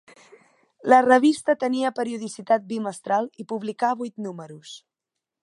La revista tenia periodicitat bimestral i publicà vuit números.